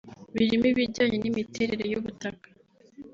birimo ibijyanye n’imiterere y’ubutaka